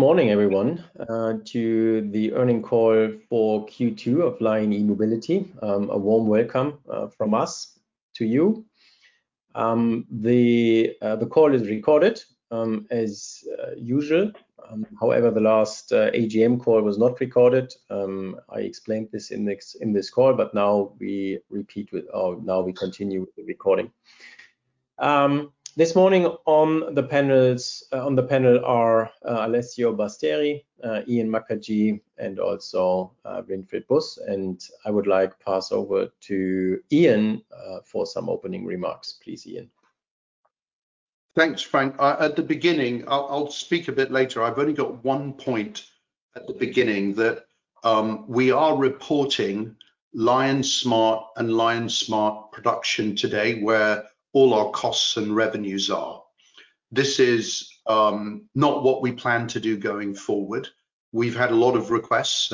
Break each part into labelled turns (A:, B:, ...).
A: Good morning everyone, to the Earnings Call for Q2 of LION E-Mobility. A warm welcome from us to you. The call is recorded as usual. However, the last AGM call was not recorded. I explained this in this call, now we repeat with, or now we continue with the recording. This morning on the panel are Alessio Basteri, Ian Mukherjee, and also Winfried Buss. I would like to pass over to Ian for some opening remarks. Please, Ian.
B: Thanks, Frank. At the beginning, I'll, I'll speak a bit later. I've only got one point at the beginning, that we are reporting LION Smart and LION Smart Production today, where all our costs and revenues are. This is not what we plan to do going forward. We've had a lot of requests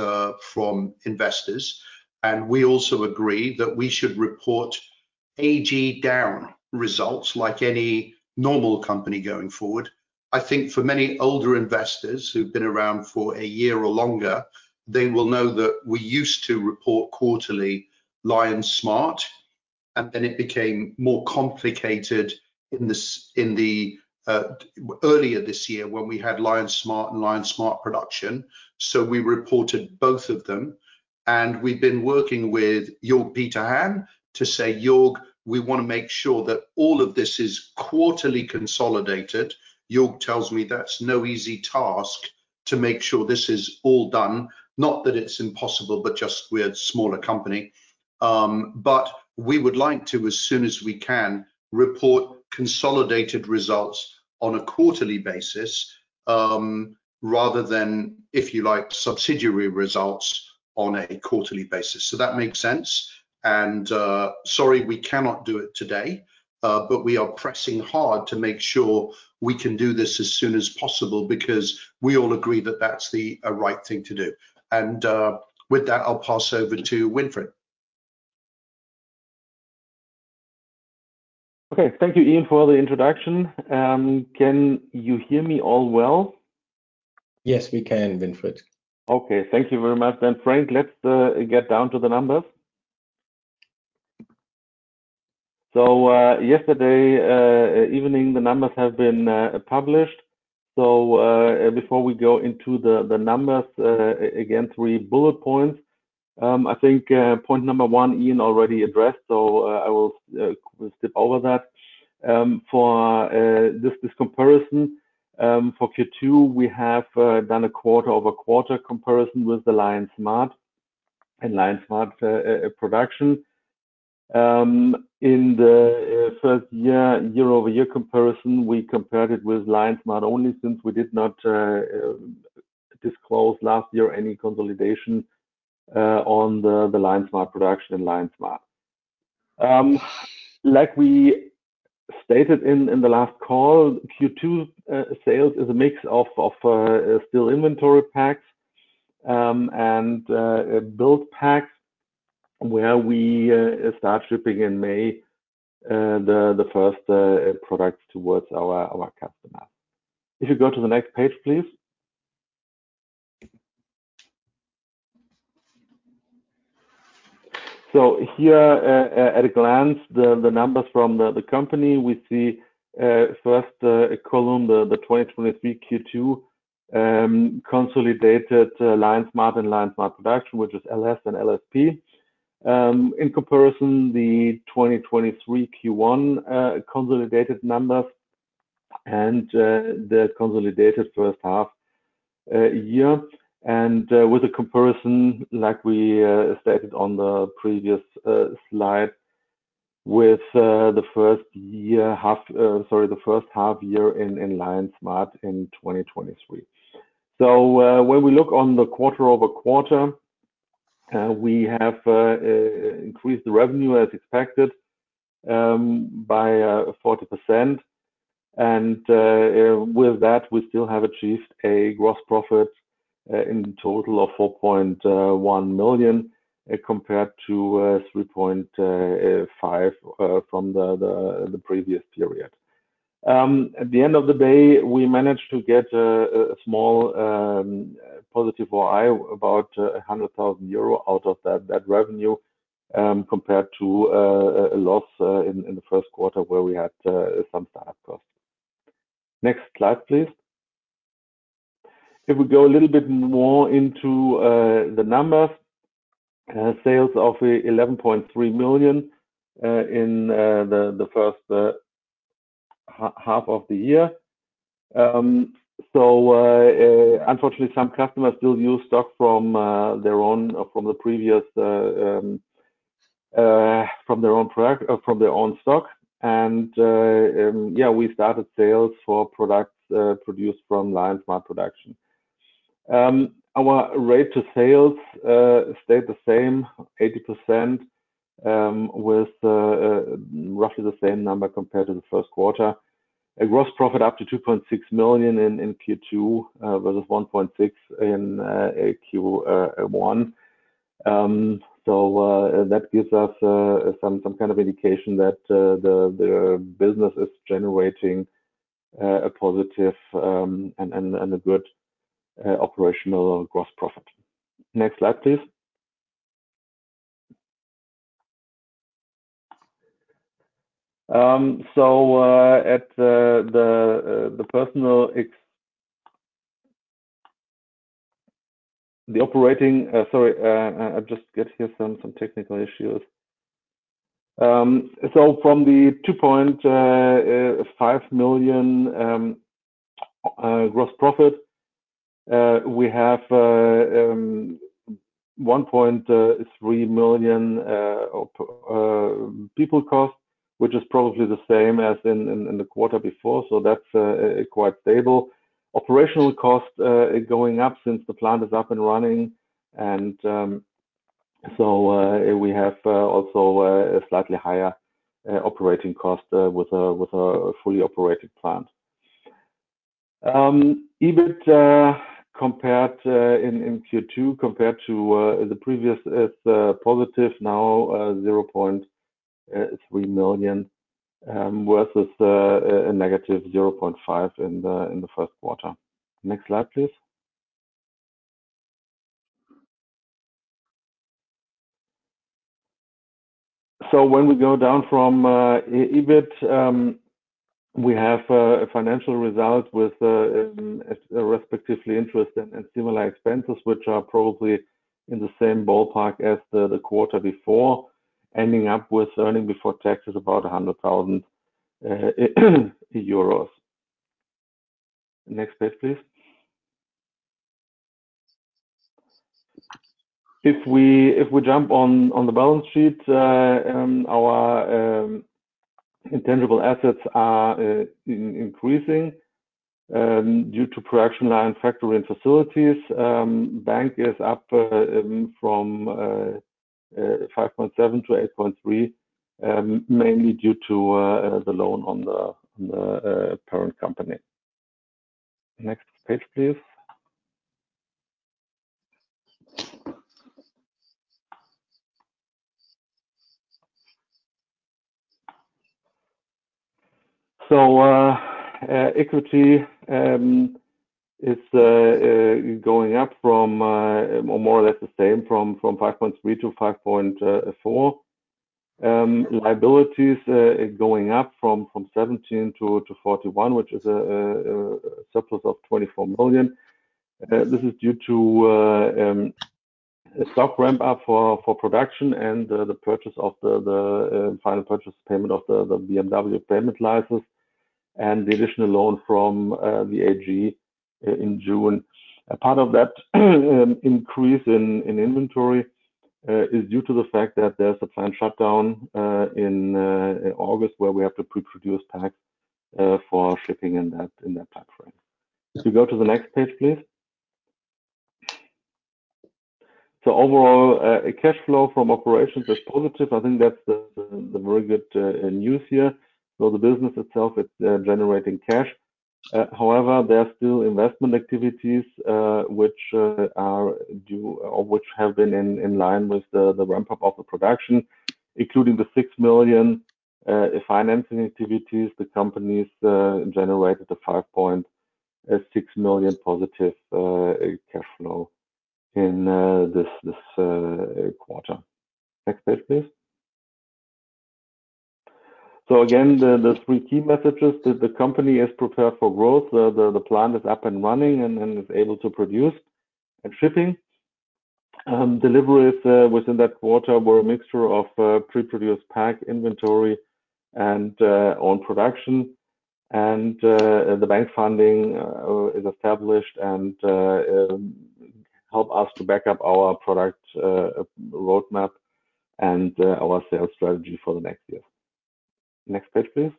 B: from investors, and we also agree that we should report AG down results like any normal company going forward. I think for many older investors who've been around for a year or longer, they will know that we used to report quarterly LION Smart, and then it became more complicated earlier this year when we had LION Smart and LION Smart Production. We reported both of them, and we've been working with Jörg Peter Hahn to say, "Jorg, we wanna make sure that all of this is quarterly consolidated." Jorg tells me that's no easy task to make sure this is all done, not that it's impossible, but just we're a smaller company. But we would like to, as soon as we can, report consolidated results on a quarterly basis, rather than, if you like, subsidiary results on a quarterly basis. That makes sense. Sorry, we cannot do it today, but we are pressing hard to make sure we can do this as soon as possible, because we all agree that that's the right thing to do. With that, I'll pass over to Winfried.
C: Okay. Thank you, Ian, for the introduction. Can you hear me all well?
A: Yes, we can, Winfried.
C: Okay. Thank you very much. Frank, let's get down to the numbers. Yesterday evening, the numbers have been published. Before we go into the numbers again, 3 bullet points. I think point number 1, Ian already addressed, I will skip over that. For this comparison, for Q2, we have done a quarter-over-quarter comparison with the LION Smart and LION Smart Production. In the 1st year, year-over-year comparison, we compared it with LION Smart only, since we did not disclose last year any consolidation on the LION Smart Production and LION Smart. Like we stated in, in the last call, Q2 sales is a mix of, of still inventory packs and build packs, where we start shipping in May the first products towards our customers. If you go to the next page, please. Here, at a glance, the numbers from the company, we see first column, the 2023 Q2 consolidated LION Smart and LION Smart Production, which is LS and LSP. In comparison, the 2023 Q1 consolidated numbers and the consolidated first half year, and with a comparison, like we stated on the previous slide, with the first year half, sorry, the first half year in LION Smart in 2023. When we look on the quarter-over-quarter, we have increased the revenue as expected by 40%. With that, we still have achieved a gross profit in total of 4.1 million, compared to 3.5 from the previous period. At the end of the day, we managed to get a small positive OI, about 100,000 euro out of that revenue, compared to a loss in the first quarter, where we had some startup costs. Next slide, please. If we go a little bit more into the numbers, sales of 11.3 million in the first half of the year. Unfortunately, some customers still use stock from their own, or from the previous, from their own stock. We started sales for products produced from LION Smart Production. Our rate to sales stayed the same, 80%, with roughly the same number compared to the first quarter. A gross profit up to 2.6 million in Q2 versus 1.6 million in Q1. That gives us some kind of indication that the business is generating a positive and a good operational gross profit. Next slide, please. At the operating, sorry, I'm just getting here some technical issues. So from the 2.5 million gross profit, we have 1.3 million people cost, which is probably the same as in the quarter before, so that's quite stable. Operational cost is going up since the plant is up and running, and so we have also a slightly higher operating cost with a fully operated plant. EBIT compared in Q2, compared to the previous, is positive now, 0.3 million versus a negative 0.5 million in the first quarter. Next slide, please. When we go down from EBIT, we have a financial result with respectively interest and similar expenses, which are probably in the same ballpark as the quarter before, ending up with earning before tax is about 100,000 euros. Next page, please. If we, if we jump on the balance sheet, our intangible assets are increasing due to production line, factory and facilities. Bank is up from 5.7 to 8.3, mainly due to the loan on the parent company. Next page, please. Equity is going up from more or less the same, from 5.3 to 5.4. Liabilities is going up from 17 to 41, which is a surplus of 24 million. This is due to a stock ramp up for production and the purchase of the final purchase payment of the BMW AG payment license and the additional loan from the AG in June. A part of that increase in inventory is due to the fact that there's a planned shutdown in August, where we have to pre-produce pack for shipping in that time frame. If you go to the next page, please. Overall, cash flow from operations is positive. I think that's the very good news here. The business itself is generating cash. However, there are still investment activities which are due or which have been in line with the ramp up of the production, including the 6 million financing activities. The companies generated a 5.6 million positive cash flow in this quarter. Next page, please. Again, the 3 key messages that the company is prepared for growth. The plant is up and running and is able to produce and shipping. Deliveries within that quarter were a mixture of pre-produced pack inventory and own production. The bank funding is established and help us to back up our product roadmap and our sales strategy for the next year. Next page, please.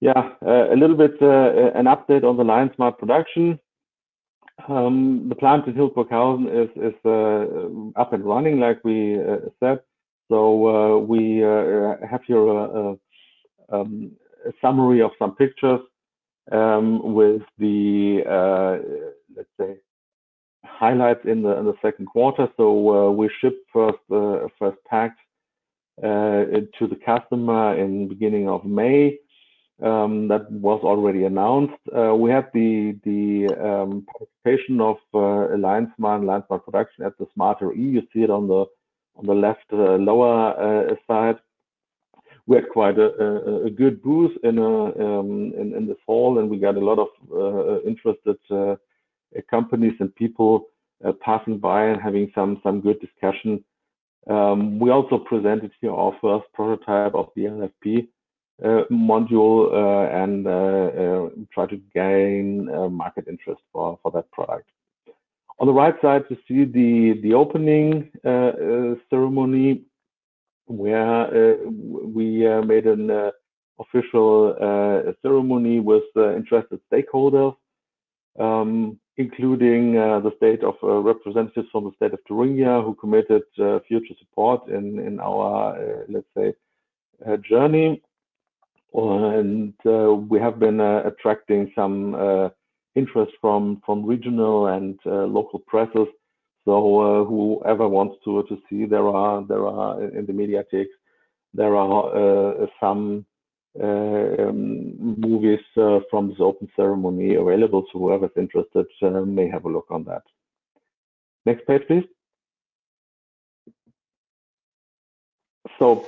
C: Yeah, a little bit an update on the LION Smart Production. The plant in Hildburghausen is up and running, like we said. We have here a summary of some pictures with the, let's say, highlights in the second quarter. We shipped first first pack to the customer in beginning of May. That was already announced. We have the participation of LION Smart, LION Smart Production at the smarter E. You see it on the left, lower side. We had quite a good booth in the fall, and we got a lot of interested companies and people passing by and having some good discussions. Um, we also presented here our first prototype of the LFP, uh, module, uh, and, uh, uh, try to gain, uh, market interest for, for that product. On the right side, you see the, the opening, uh, uh, ceremony, where, uh, we, uh, made an, uh, official, uh, ceremony with, uh, interested stakeholders, um, including, uh, the state of, uh, representatives from the state of Thuringia, who committed, uh, future support in, in our, uh, let's say, uh, journey.... And, uh, we have been, uh, attracting some, uh, interest from, from regional and, uh, local presses. So, uh, whoever wants to, to see, there are, there are in the Mediatheks, there are, uh, some, uh, um, movies, uh, from this open ceremony available, so whoever's interested can may have a look on that. Next page, please.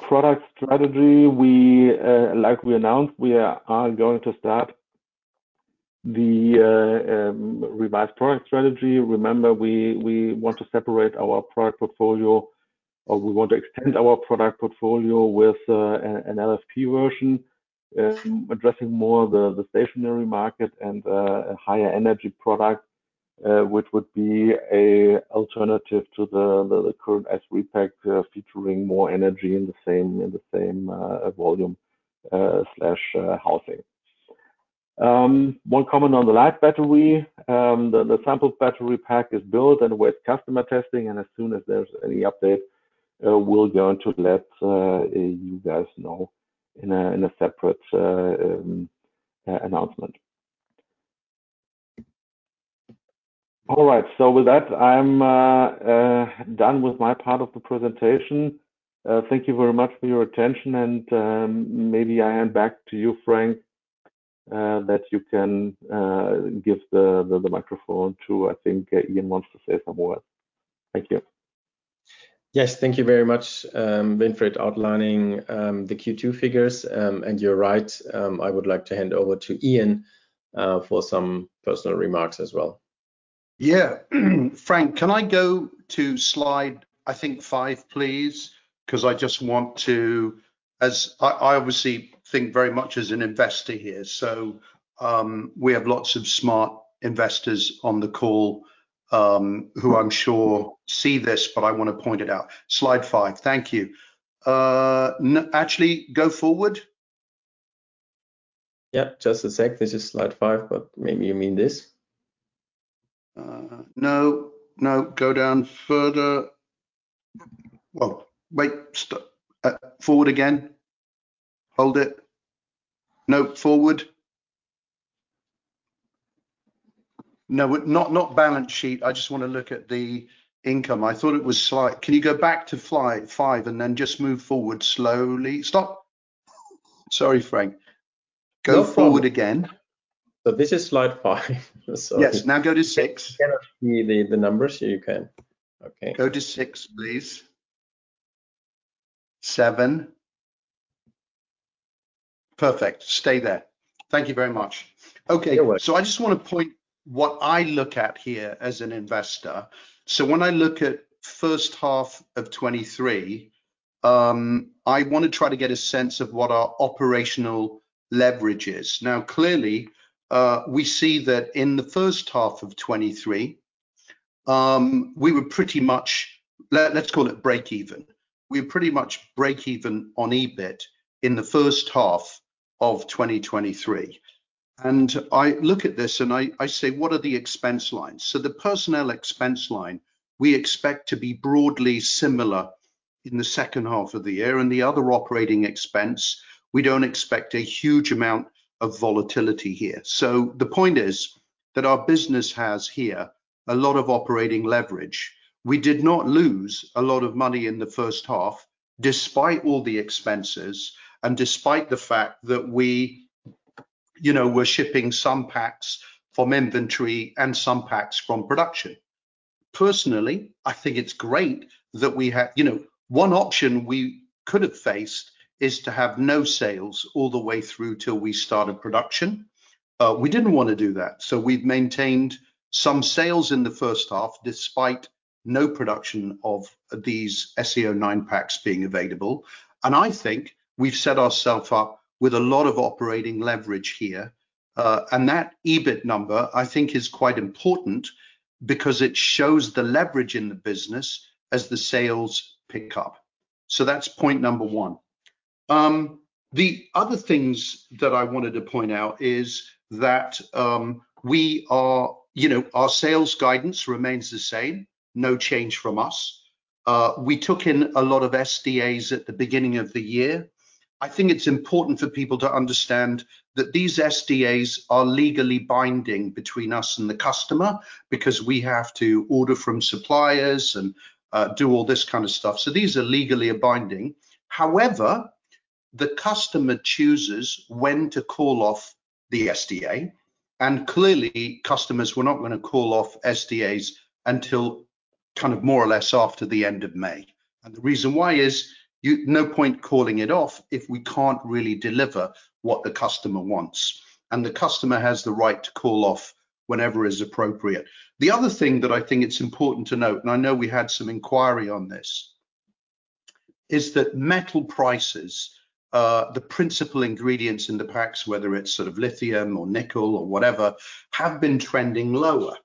C: Product strategy, we, like we announced, we are going to start the revised product strategy. Remember, we want to separate our product portfolio, or we want to extend our product portfolio with an LFP version, addressing more the stationary market and a higher energy product, which would be an alternative to the current SVOLT pack, featuring more energy in the same volume slash housing. One comment on the LION LIGHT battery. The sample battery pack is built and with customer testing, and as soon as there's any update, we'll going to let you guys know in a separate announcement. All right, with that, I'm done with my part of the presentation. Thank you very much for your attention, and, maybe I hand back to you, Frank, that you can, give the, the, the microphone to, I think Ian wants to say some words. Thank you.
A: Yes, thank you very much, Winfried, outlining, the Q2 figures. You're right, I would like to hand over to Ian, for some personal remarks as well.
B: Yeah. Frank, can I go to slide, I think, five, please? 'Cause I just want to. As I, I obviously think very much as an investor here, so, we have lots of smart investors on the call, who I'm sure see this, but I want to point it out. Slide five. Thank you. actually, go forward.
A: Yeah, just a sec. This is slide 5, but maybe you mean this.
B: No, no, go down further. Well, wait, forward again. Hold it. No, forward. No, not, not balance sheet, I just wanna look at the income. I thought it was slide... Can you go back to slide five, and then just move forward slowly? Stop! Sorry, Frank.
A: No problem.
B: Go forward again.
A: This is slide 5. Sorry.
B: Yes, now go to 6.
A: You cannot see the numbers, so you can... Okay.
B: Go to six, please. Seven. Perfect. Stay there. Thank you very much.
A: You're welcome.
B: I just want to point what I look at here as an investor. When I look at first half of 2023, I want to try to get a sense of what our operational leverage is. Clearly, we see that in the first half of 2023, we were pretty much, let's call it break even. We were pretty much break even on EBIT in the first half of 2023. I look at this, and I, I say: What are the expense lines? The personnel expense line, we expect to be broadly similar in the second half of the year, and the other operating expense, we don't expect a huge amount of volatility here. The point is that our business has here a lot of operating leverage. We did not lose a lot of money in the first half, despite all the expenses and despite the fact that we, you know, were shipping some packs from inventory and some packs from production. Personally, I think it's great that we had... You know, one option we could have faced is to have no sales all the way through till we started production. We didn't want to do that, so we've maintained some sales in the first half, despite no production of these SE09 packs being available. I think we've set ourself up with a lot of operating leverage here. And that EBIT number, I think is quite important because it shows the leverage in the business as the sales pick up. That's point number one. The other things that I wanted to point out is that we are... You know, our sales guidance remains the same, no change from us. We took in a lot of SDAs at the beginning of the year. I think it's important for people to understand that these SDAs are legally binding between us and the customer because we have to order from suppliers and do all this kind of stuff. These are legally binding. However, the customer chooses when to call off the SDA, and clearly, customers were not gonna call off SDAs until kind of more or less after the end of May. The reason why is, no point calling it off if we can't really deliver what the customer wants, and the customer has the right to call off whenever is appropriate. The other thing that I think it's important to note, and I know we had some inquiry on this, is that metal prices, the principal ingredients in the packs, whether it's sort of lithium or nickel or whatever, have been trending lower.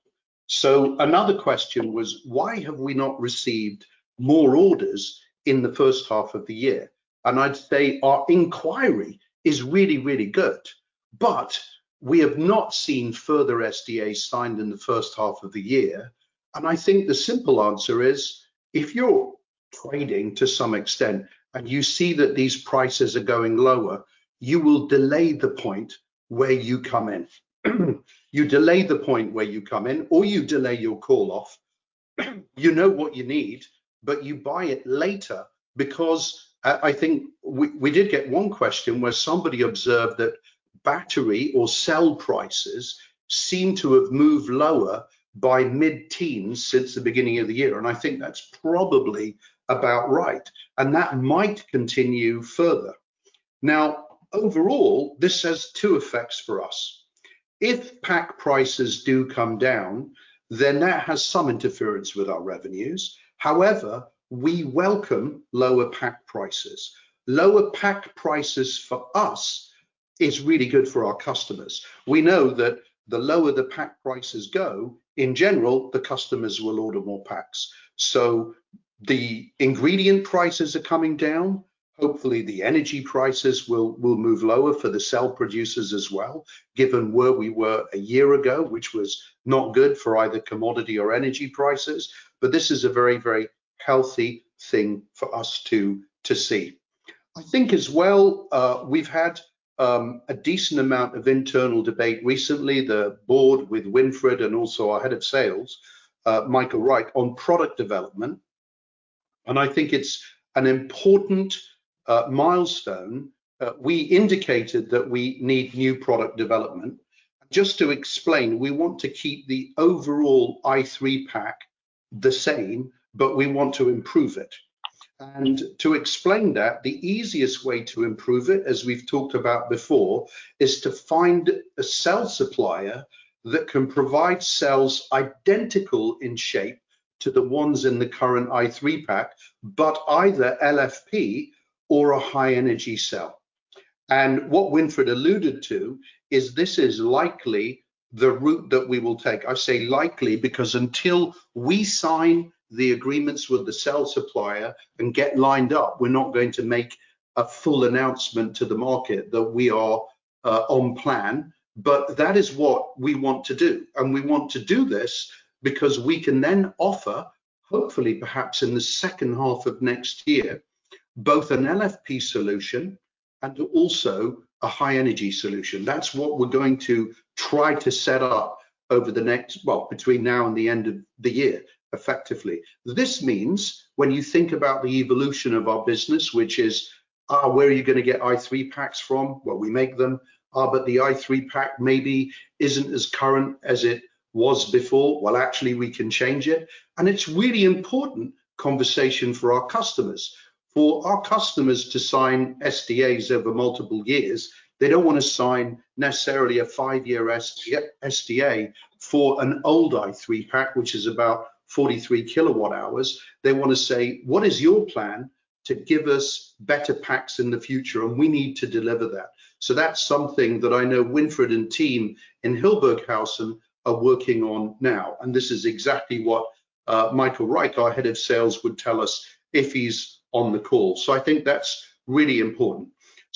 B: Another question was: Why have we not received more orders in the first half of the year? I'd say our inquiry is really, really good, but we have not seen further SDAs signed in the first half of the year. I think the simple answer is, if you're trading to some extent, and you see that these prices are going lower, you will delay the point where you come in. You delay the point where you come in, or you delay your call-off. You know what you need, but you buy it later because, I think we, we did get one question where somebody observed that battery or cell prices seem to have moved lower by mid-teens since the beginning of the year, and I think that's probably about right, and that might continue further. Overall, this has two effects for us. If pack prices do come down, then that has some interference with our revenues. However, we welcome lower pack prices. Lower pack prices for us is really good for our customers. We know that the lower the pack prices go, in general, the customers will order more packs. The ingredient prices are coming down. Hopefully, the energy prices will, will move lower for the cell producers as well, given where we were a year ago, which was not good for either commodity or energy prices, but this is a very, very healthy thing for us to, to see. I think as well, we've had a decent amount of internal debate recently, the board with Winfried and also our head of sales, Michael Reich, on product development, and I think it's an important milestone. We indicated that we need new product development. Just to explain, we want to keep the overall i3 pack the same, but we want to improve it. To explain that, the easiest way to improve it, as we've talked about before, is to find a cell supplier that can provide cells identical in shape to the ones in the current i3 pack, but either LFP or a high-energy cell. What Winfried alluded to is this is likely the route that we will take. I say likely, because until we sign the agreements with the cell supplier and get lined up, we're not going to make a full announcement to the market that we are on plan. That is what we want to do, and we want to do this because we can then offer, hopefully, perhaps in the second half of next year, both an LFP solution and also a high-energy solution. That's what we're going to try to set up over the next... Well, between now and the end of the year, effectively. This means when you think about the evolution of our business, which is, "Ah, where are you gonna get i3 packs from?" Well, we make them. "Ah, but the i3 pack maybe isn't as current as it was before." Well, actually, we can change it, and it's really important conversation for our customers. For our customers to sign SDAs over multiple years, they don't want to sign necessarily a five-year SDA for an old i3 pack, which is about 43 kilowatt hours. They want to say, "What is your plan to give us better packs in the future?" We need to deliver that. That's something that I know Winfried and team in Hildburghausen are working on now, and this is exactly what Michael Reich, our head of sales, would tell us if he's on the call. I think that's really important.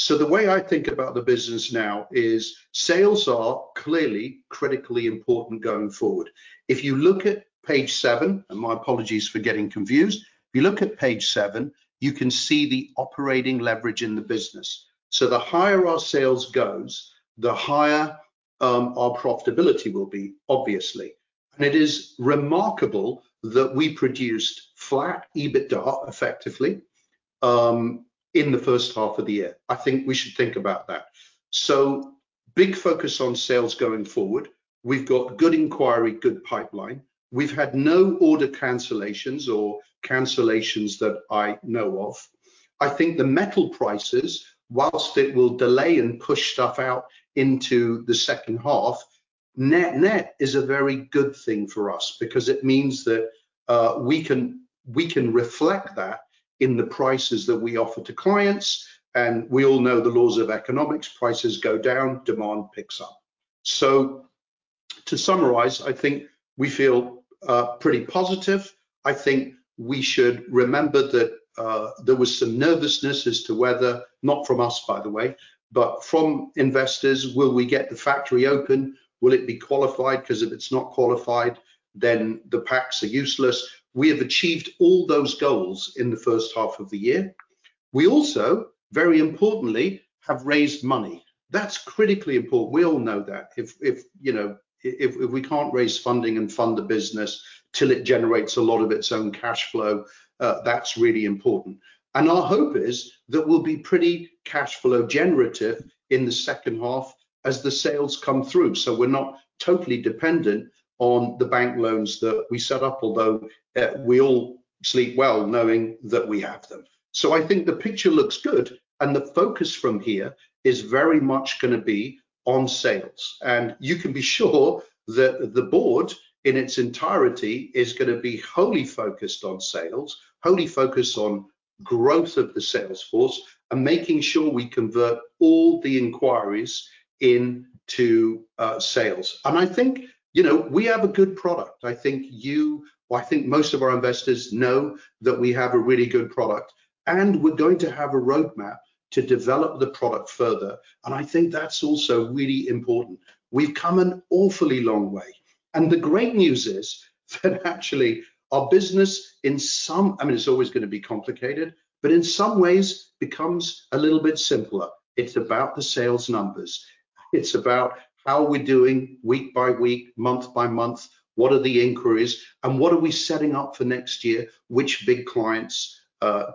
B: The way I think about the business now is sales are clearly critically important going forward. If you look at page seven, and my apologies for getting confused, if you look at page seven, you can see the operating leverage in the business. The higher our sales goes, the higher our profitability will be, obviously. It is remarkable that we produced flat EBITDA effectively in the first half of the year. I think we should think about that. Big focus on sales going forward. We've got good inquiry, good pipeline. We've had no order cancellations or cancellations that I know of. I think the metal prices, whilst it will delay and push stuff out into the second half, net net is a very good thing for us because it means that we can, we can reflect that in the prices that we offer to clients, and we all know the laws of economics, prices go down, demand picks up. To summarize, I think we feel pretty positive. I think we should remember that there was some nervousness as to whether, not from us, by the way, but from investors, will we get the factory open? Will it be qualified? Because if it's not qualified, then the packs are useless. We have achieved all those goals in the first half of the year. We also, very importantly, have raised money. That's critically important. We all know that. If, if, you know, if we can't raise funding and fund the business till it generates a lot of its own cash flow, that's really important. Our hope is that we'll be pretty cash flow generative in the second half as the sales come through, so we're not totally dependent on the bank loans that we set up, although, we all sleep well knowing that we have them. I think the picture looks good, and the focus from here is very much gonna be on sales. You can be sure that the board, in its entirety, is gonna be wholly focused on sales, wholly focused on growth of the sales force, and making sure we convert all the inquiries into sales. I think, you know, we have a good product. I think you, or I think most of our investors know that we have a really good product, and we're going to have a roadmap to develop the product further, and I think that's also really important. We've come an awfully long way. The great news is that actually our business in some, I mean, it's always gonna be complicated, but in some ways becomes a little bit simpler. It's about the sales numbers. It's about how we're doing week by week, month by month, what are the inquiries, and what are we setting up for next year? Which big clients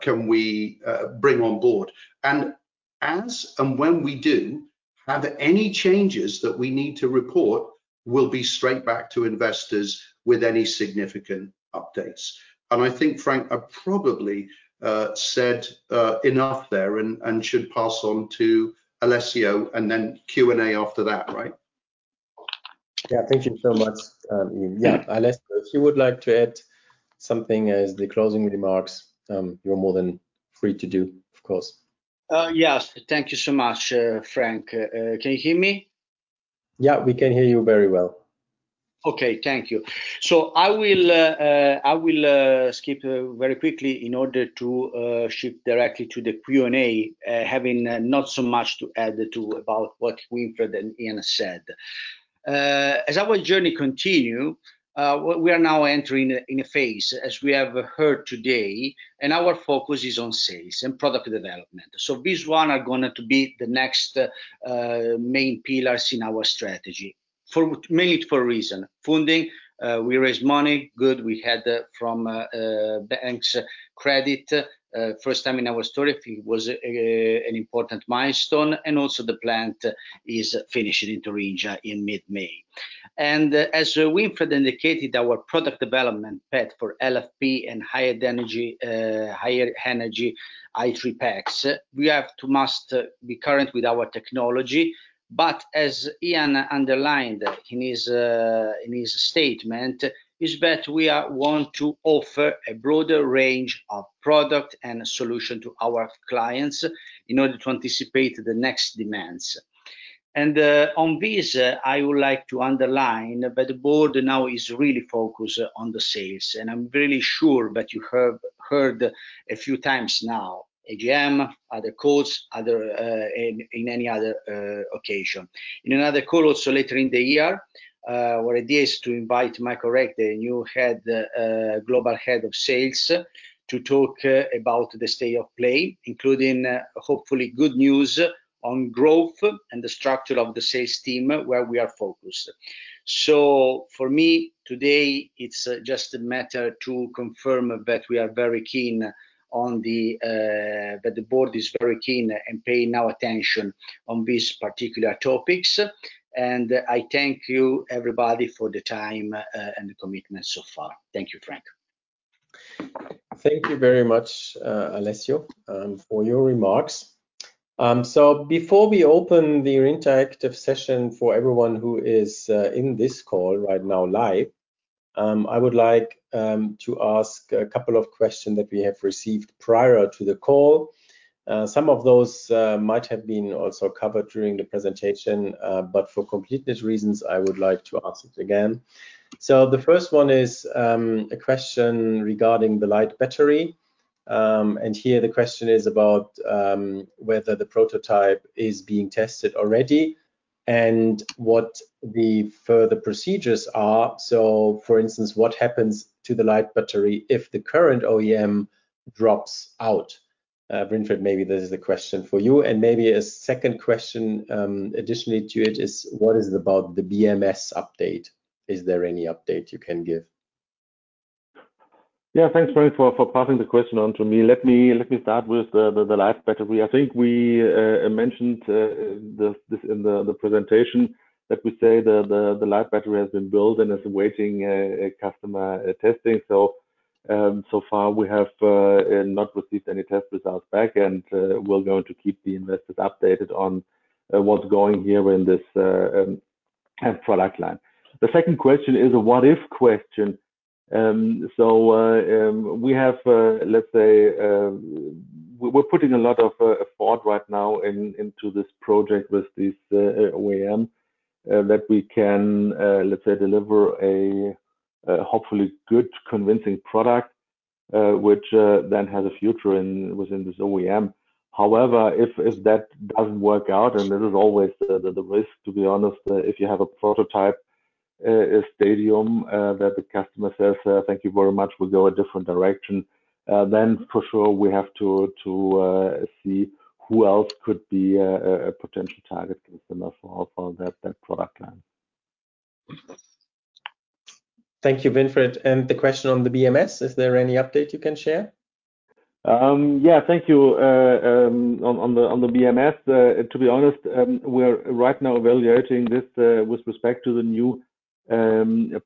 B: can we bring on board? As and when we do, and any changes that we need to report will be straight back to investors with any significant updates. I think, Frank, I've probably said enough there and, and should pass on to Alessio, and then Q&A after that, right?
A: Yeah, thank you so much, Ian. Yeah, Alessio, if you would like to add something as the closing remarks, you're more than free to do, of course.
D: Yes. Thank you so much, Frank. Can you hear me?
A: Yeah, we can hear you very well.
D: Okay. Thank you. I will skip very quickly in order to shift directly to the Q&A, having not so much to add about what Winfried and Ian said. As our journey continue, we are now entering in a phase, as we have heard today, and our focus is on sales and product development. These one are going to be the next main pillars in our strategy. For mainly for a reason, funding, we raised money, good. We had from banks credit, first time in our history. It was an important milestone, and also the plant is finished in Thuringia in mid-May. As Winfried indicated, our product development path for LFP and higher energy, higher energy i3 packs, we have to must be current with our technology. As Ian underlined in his, in his statement, is that we are want to offer a broader range of product and solution to our clients in order to anticipate the next demands. On this, I would like to underline that the board now is really focused on the sales, and I'm really sure that you have heard a few times now, AGM, other calls, other, in, in any other occasion. In another call, also later in the year, our idea is to invite Michael Reich, the new Global Head of Sales, to talk about the state of play, including hopefully good news on growth and the structure of the sales team, where we are focused. For me, today, it's just a matter to confirm that we are very keen on the... that the board is very keen and paying our attention on these particular topics. I thank you, everybody, for the time, and the commitment so far. Thank you, Frank.
A: Thank you very much, Alessio, for your remarks. Before we open the interactive session for everyone who is in this call right now live, I would like to ask a couple of questions that we have received prior to the call. Some of those might have been also covered during the presentation, for completeness reasons, I would like to ask it again. The first one is a question regarding the LION LIGHT battery. Here the question is about whether the prototype is being tested already and what the further procedures are. For instance, what happens to the LION LIGHT battery if the current OEM drops out? Winfried, maybe this is a question for you, and maybe a second question, additionally to it, is what is about the BMS update? Is there any update you can give?
C: Yeah, thanks, Frank, for, for passing the question on to me. Let me, let me start with the, the, the light battery. I think we mentioned this, this in the presentation, that we say the, the, the light battery has been built and is awaiting a customer testing. So far, we have not received any test results back, and we're going to keep the investors updated on what's going here in this product line. The second question is a what if question. So we have, let's say, we're putting a lot of thought right now into this project with this OEM that we can, let's say, deliver a hopefully good, convincing product, which then has a future in, within this OEM. However, if, if that doesn't work out, and there is always the, the, the risk, to be honest, if you have a prototype, stadium, that the customer says, "Thank you very much, we'll go a different direction," then for sure, we have to, to, see who else could be a, a potential target customer for, for that, that product line.
A: Thank you, Winfried. The question on the BMS, is there any update you can share?
C: Yeah, thank you. On the BMS, to be honest, we're right now evaluating this with respect to the new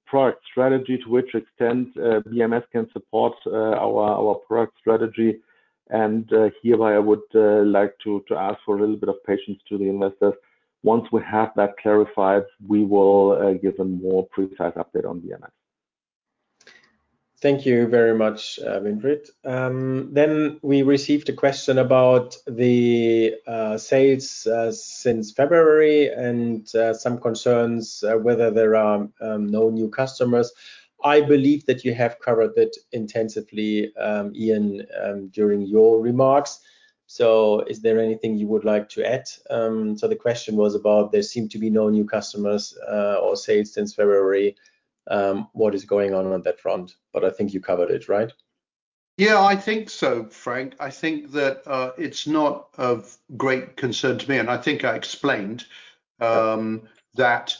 C: product strategy, to which extent BMS can support our product strategy. Hereby, I would like to ask for a little bit of patience to the investors. Once we have that clarified, we will give a more precise update on BMS.
A: Thank you very much, Winfried. We received a question about the sales since February and some concerns whether there are no new customers. I believe that you have covered that intensively, Ian, during your remarks. Is there anything you would like to add? The question was about there seem to be no new customers or sales since February. What is going on on that front? I think you covered it, right?...
B: Yeah, I think so, Frank. I think that it's not of great concern to me, and I think I explained that,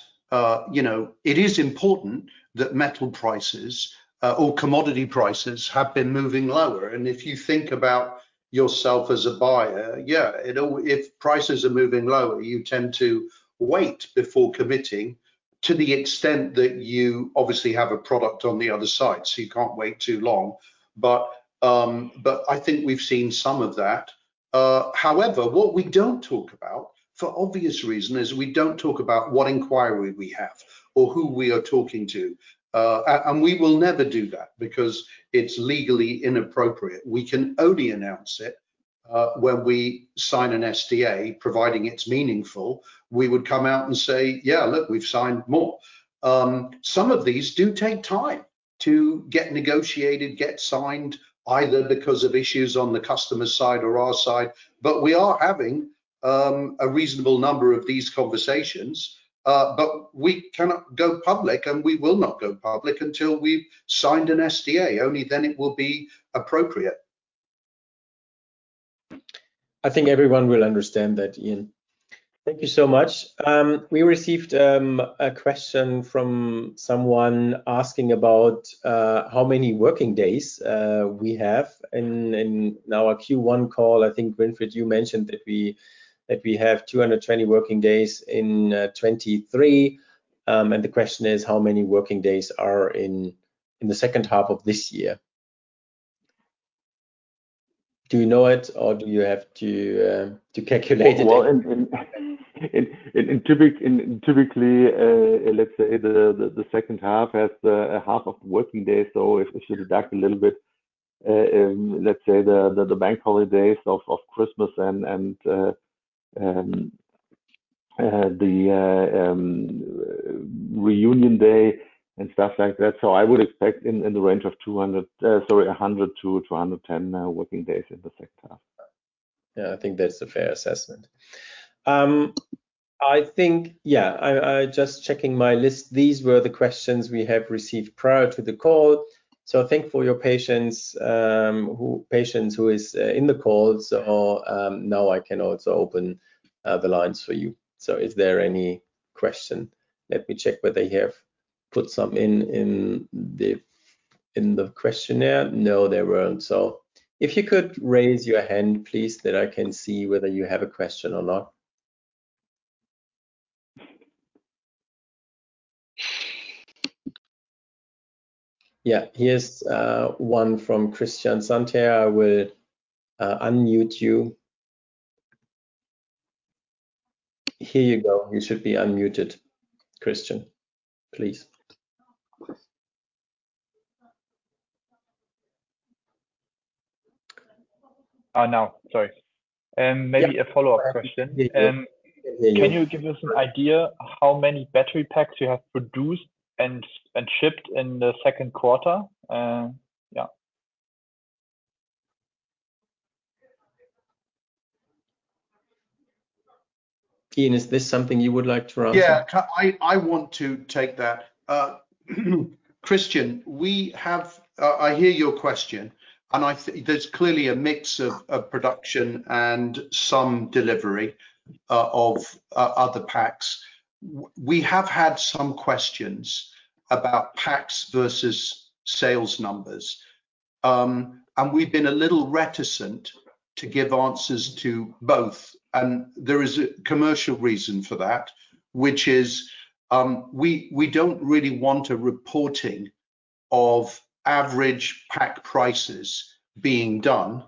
B: you know, it is important that metal prices or commodity prices have been moving lower. If you think about yourself as a buyer, yeah, if prices are moving lower, you tend to wait before committing, to the extent that you obviously have a product on the other side, so you can't wait too long. But I think we've seen some of that. However, what we don't talk about, for obvious reason, is we don't talk about what inquiry we have or who we are talking to. We will never do that because it's legally inappropriate. We can only announce it when we sign an SDA, providing it's meaningful. We would come out and say, "Yeah, look, we've signed more." Some of these do take time to get negotiated, get signed, either because of issues on the customer's side or our side, but we are having a reasonable number of these conversations. We cannot go public, and we will not go public until we've signed an SDA. Only then it will be appropriate.
A: I think everyone will understand that, Ian. Thank you so much. We received a question from someone asking about how many working days we have. In our Q1 call, I think, Winfried, you mentioned that we have 220 working days in 2023. The question is, how many working days are in the second half of this year? Do you know it, or do you have to calculate it?
C: Well, typically, let's say the, the, the second half has a half of working days, so if we should deduct a little bit, let's say the, the, the bank holidays of, of Christmas and, the, reunion day and stuff like that. I would expect in, in the range of 200, sorry, 100 to 210, working days in the second half.
A: Yeah, I think that's a fair assessment. I think, yeah, I, I just checking my list, these were the questions we have received prior to the call. So thank for your patience, who is in the call. So, now I can also open the lines for you. So is there any question? Let me check whether you have put some in, in the, in the questionnaire. No, there weren't. So if you could raise your hand, please, that I can see whether you have a question or not. Yeah, here's one from Christian Salzer. I will unmute you. Here you go. You should be unmuted, Christian. Please.
E: Oh, now, sorry. Maybe a follow-up question.
A: Yes.
E: Can you give us an idea how many battery packs you have produced and, and shipped in the second quarter? Yeah.
A: Ian, is this something you would like to answer?
B: Yeah, I, I want to take that. Christian. I hear your question, and there's clearly a mix of, of production and some delivery, of other packs. We have had some questions about packs versus sales numbers, and we've been a little reticent to give answers to both. There is a commercial reason for that, which is, we, we don't really want a reporting of average pack prices being done,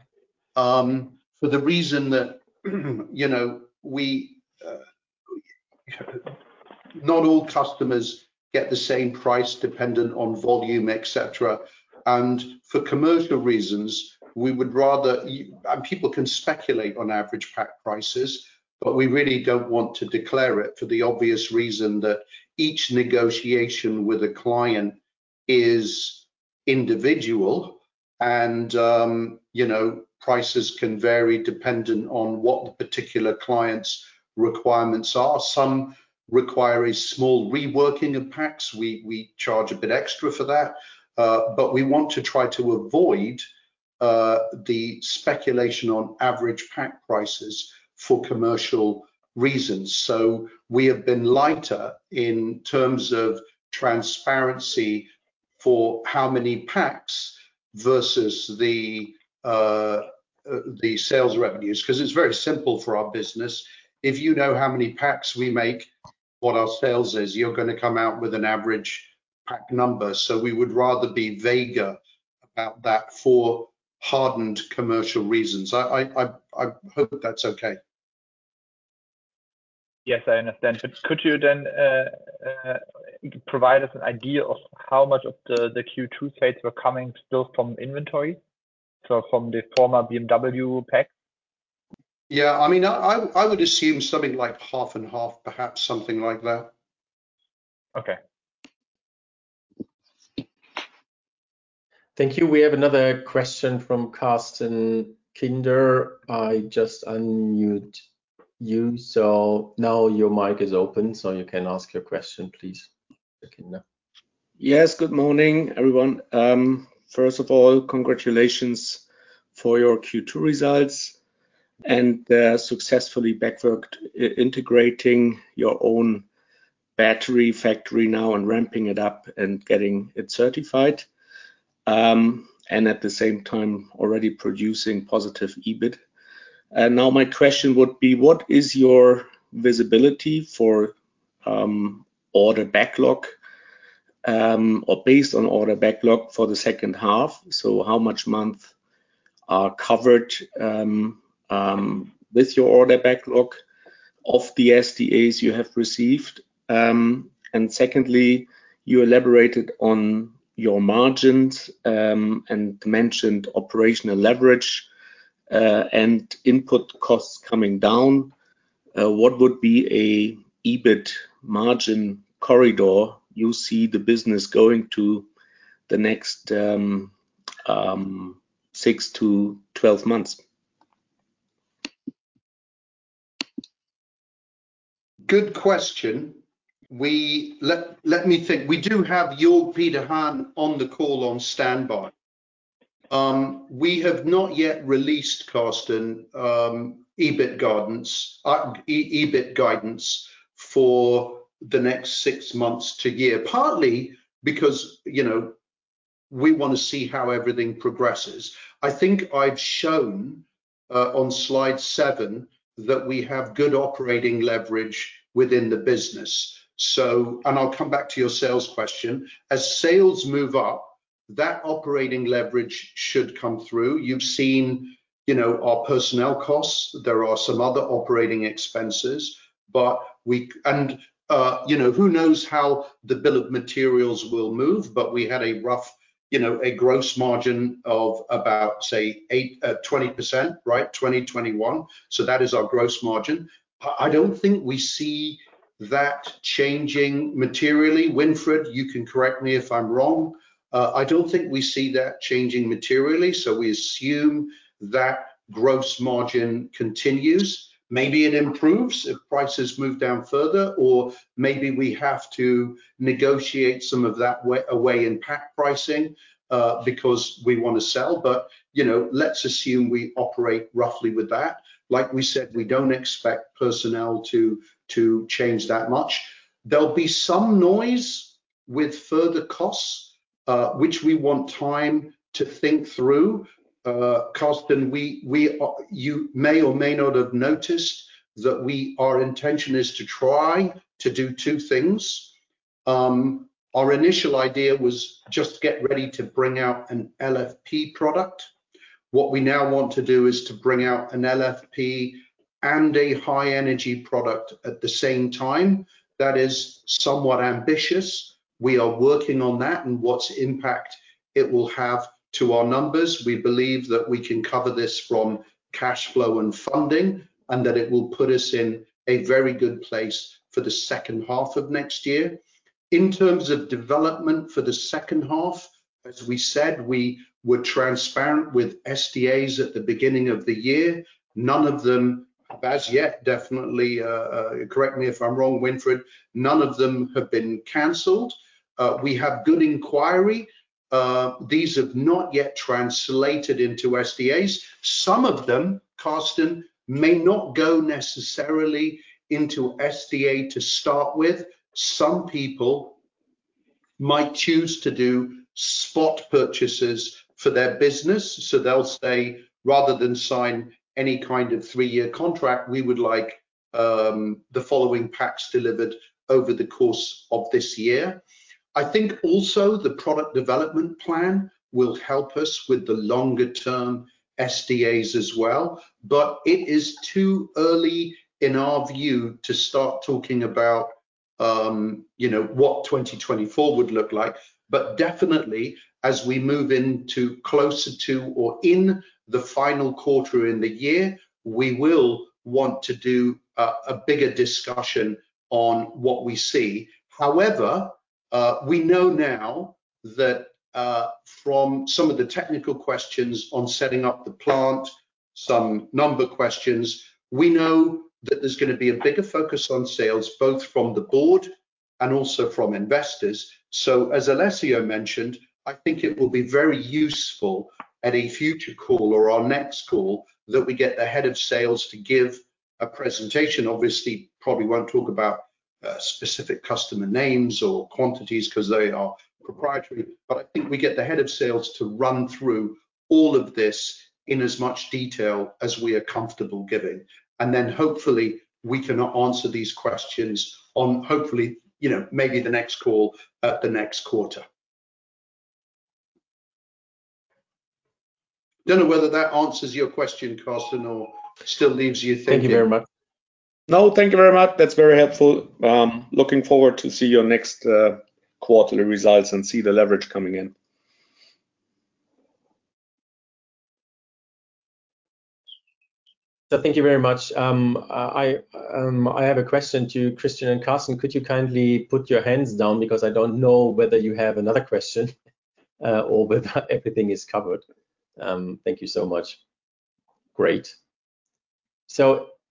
B: for the reason that, you know, we, not all customers get the same price, dependent on volume, et cetera. For commercial reasons, we would rather, and people can speculate on average pack prices, but we really don't want to declare it for the obvious reason that each negotiation with a client is individual, and, you know, prices can vary dependent on what the particular client's requirements are. Some require a small reworking of packs. We, we charge a bit extra for that, but we want to try to avoid the speculation on average pack prices for commercial reasons. We have been lighter in terms of transparency for how many packs versus the sales revenues, 'cause it's very simple for our business. If you know how many packs we make, what our sales is, you're 'gonna come out with an average pack number. We would rather be vaguer about that for hardened commercial reasons. I hope that's okay.
E: Yes, I understand. Could you then provide us an idea of how much of the Q2 sales were coming still from inventory, so from the former BMW packs?
B: Yeah. I mean, I, I, I would assume something like half and half, perhaps something like that.
E: Okay.
A: Thank you. We have another question from Carsten Kindler. I just unmute you, so now your mic is open, so you can ask your question, please.
F: Yes, good morning, everyone. First of all, congratulations for your Q2 results, successfully backward integrating your own battery factory now and ramping it up and getting it certified. At the same time, already producing positive EBIT. Now my question would be, what is your visibility for order backlog, or based on order backlog for the second half? How much month are covered with your order backlog of the SDAs you have received? Secondly, you elaborated on your margins, and mentioned operational leverage, and input costs coming down. What would be an EBIT margin corridor you see the business going to the next 6 to 12 months?
B: Good question. Let me think. We do have Jörg Peter Hahn on the call on standby. We have not yet released, Carsten, EBIT guidance for the next 6 months to a year, partly because, you know, we want to see how everything progresses. I think I've shown on slide 7 that we have good operating leverage within the business, so... I'll come back to your sales question. As sales move up, that operating leverage should come through. You've seen, you know, our personnel costs. There are some other operating expenses, but, you know, who knows how the bill of materials will move, but we had a rough, you know, a gross margin of about, say, 20%, right? 20%-21%. That is our gross margin. I, I don't think we see that changing materially. Winfried, you can correct me if I'm wrong. I don't think we see that changing materially, so we assume that gross margin continues. Maybe it improves if prices move down further, or maybe we have to negotiate some of that away in pack pricing, because we want to sell. You know, let's assume we operate roughly with that. Like we said, we don't expect personnel to, to change that much. There'll be some noise with further costs, which we want time to think through. Carsten, we, we, you may or may not have noticed that our intention is to try to do two things. Our initial idea was just get ready to bring out an LFP product. What we now want to do is to bring out an LFP and a high energy product at the same time. That is somewhat ambitious. We are working on that and what impact it will have to our numbers. We believe that we can cover this from cash flow and funding, and that it will put us in a very good place for the second half of next year. In terms of development for the second half, as we said, we were transparent with SDAs at the beginning of the year. None of them, as yet, definitely, correct me if I'm wrong, Winfried, none of them have been canceled. We have good inquiry. These have not yet translated into SDAs. Some of them, Carsten, may not go necessarily into SDA to start with. Some people might choose to do spot purchases for their business, so they'll say, "Rather than sign any kind of three-year contract, we would like, the following packs delivered over the course of this year." I think also the product development plan will help us with the longer term SDAs as well, but it is too early in our view, to start talking about, you know, what 2024 would look like. Definitely, as we move into closer to or in the final quarter in the year, we will want to do a bigger discussion on what we see. However, we know now that, from some of the technical questions on setting up the plant, some number questions, we know that there's going to be a bigger focus on sales, both from the board and also from investors. As Alessio mentioned, I think it will be very useful at a future call or our next call, that we get the head of sales to give a presentation. Obviously, probably won't talk about specific customer names or quantities because they are proprietary, but I think we get the head of sales to run through all of this in as much detail as we are comfortable giving. Then hopefully, we can answer these questions on hopefully, you know, maybe the next call at the next quarter. Don't know whether that answers your question, Carsten, or still leaves you thinking.
F: Thank you very much. No, thank you very much. That's very helpful. Looking forward to see your next quarterly results and see the leverage coming in.
A: Thank you very much. I have a question to Christian and Carsten. Could you kindly put your hands down because I don't know whether you have another question or whether everything is covered. Thank you so much. Great.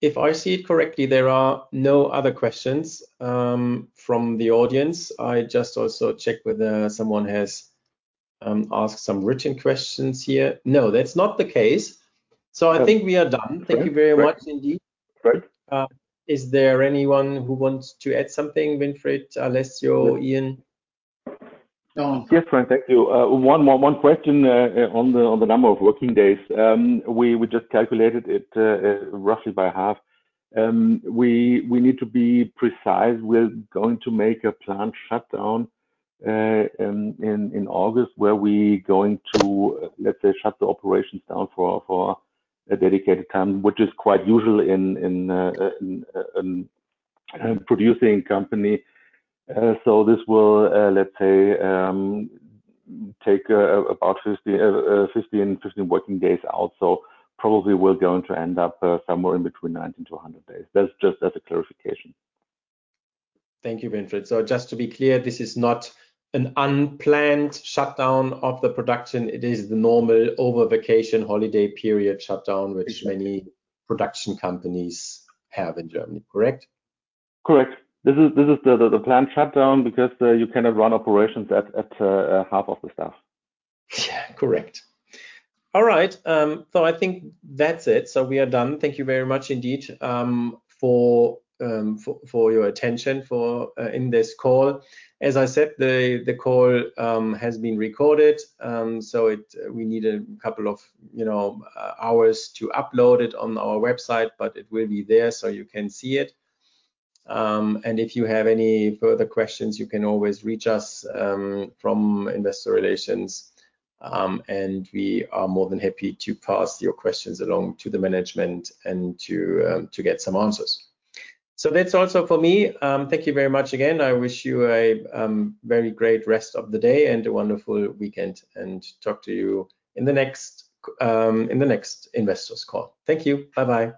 A: If I see it correctly, there are no other questions from the audience. I just also checked whether someone has asked some written questions here. No, that's not the case. I think we are done.
C: Okay, great.
A: Thank you very much indeed.
C: Great.
A: Is there anyone who wants to add something, Winfried, Alessio, Ian? Oh.
C: Yes, Frank, thank you. One more, one question on the number of working days. We just calculated it roughly by half. We need to be precise. We're going to make a plant shutdown in August, where we going to, let's say, shut the operations down for a dedicated time, which is quite usual in a producing company. So this will, let's say, take about 50 50 and 15 working days out. So probably we're going to end up somewhere in between 90 to 100 days. That's just as a clarification.
A: Thank you, Winfried. Just to be clear, this is not an unplanned shutdown of the production, it is the normal over-vacation holiday period shutdown.
C: Exactly
A: ...which many production companies have in Germany. Correct?
C: Correct. This is, this is the, the, the planned shutdown because, you cannot run operations at, at, half of the staff.
A: Yeah, correct. All right, I think that's it. We are done. Thank you very much indeed, for, for, for your attention for, in this call. As I said, the, the call, has been recorded, we need a couple of, you know, hours to upload it on our website, but it will be there so you can see it. If you have any further questions, you can always reach us, from investor relations, we are more than happy to pass your questions along to the management and to, to get some answers. That's all so for me. Thank you very much again. I wish you a, very great rest of the day and a wonderful weekend, and talk to you in the next investors call. Thank you. Bye-bye.
C: Bye.